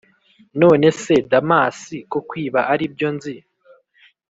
nonese damas, ko kwiba aribyo nzi,